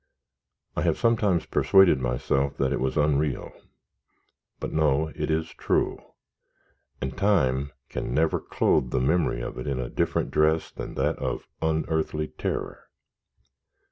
I have sometimes persuaded myself that it was unreal; but no, it is true, and time can never clothe the memory of it in a different dress than that of unearthly terror.